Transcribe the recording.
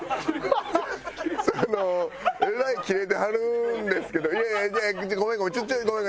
えらいキレてはるんですけどいやいやごめんごめんごめん